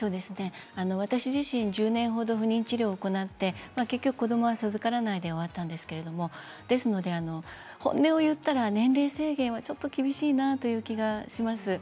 私自身１０年ほど不妊治療を行って結局、子どもを授からないで終わったんですけれどもですので本音を言ったら年齢制限はちょっと厳しいなという気がします。